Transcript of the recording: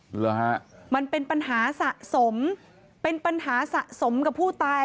เหรอฮะมันเป็นปัญหาสะสมเป็นปัญหาสะสมกับผู้ตาย